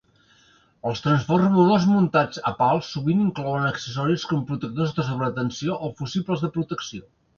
Els transformadors muntats a pals sovint inclouen accessoris com protectors de sobretensió o fusibles de protecció.